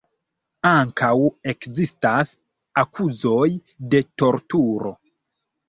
Ankaŭ ekzistas akuzoj de torturo.